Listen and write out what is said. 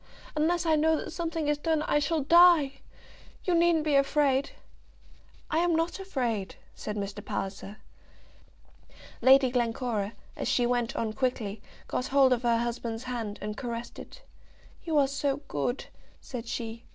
Unless I know that something is done, I shall die. You needn't be afraid." "I'm not afraid," said Mr. Palliser. Lady Glencora, as she went on quickly, got hold of her husband's hand, and caressed it. "You are so good," said she.